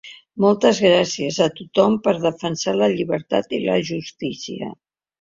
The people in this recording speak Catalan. Moltes gràcies a tothom per defensar la llibertat i la justícia.